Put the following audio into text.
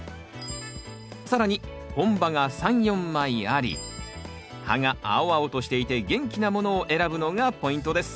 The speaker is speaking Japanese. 更に本葉が３４枚あり葉が青々としていて元気なものを選ぶのがポイントです。